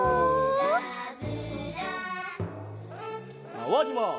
まわります。